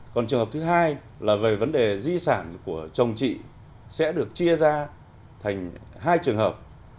còn trường hợp thứ hai là về vấn đề di sản của chồng chị sẽ được chia ra thành hai trường hợp